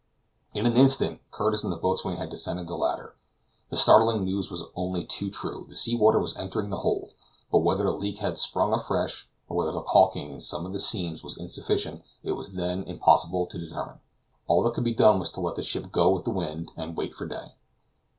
In an instant Curtis and the boatswain had descended the ladder. The startling news was only too true; the sea water was entering the hold, but whether the leak had sprung afresh, or whether the caulking in some of the seams was insufficient, it was then impossible to determine; all that could be done was to let the ship go with the wind, and wait for day.